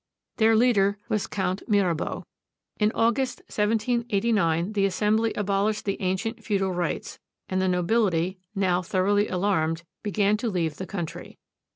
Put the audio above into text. Their leader was Count Mirabeau. In August, 1789, the assembly abolished the ancient feudal rights, and the nobility, now thoroughly alarmed, began to leave the country.